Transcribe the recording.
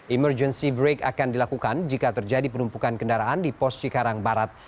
emergency break akan dilakukan jika terjadi penumpukan kendaraan di pos cikarang barat